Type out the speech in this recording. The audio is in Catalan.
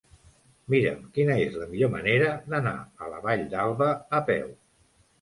Mira'm quina és la millor manera d'anar a la Vall d'Alba a peu.